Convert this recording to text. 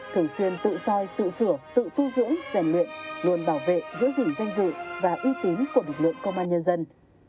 thường xuyên tự soi tự sửa tự thu dưỡng rèn luyện luôn bảo vệ giữ gìn danh dự và uy tín của lực lượng công an nhân dân